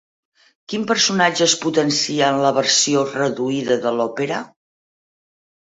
Quin personatge es potencia en la versió reduïda de l'òpera?